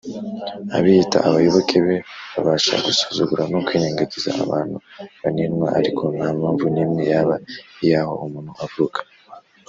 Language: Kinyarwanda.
. Abiyita abayoboke be babasha gusuzugura no kwirengagiza abantu banenwa; ariko nta mpamvu n’imwe yaba iy’aho umuntu avuka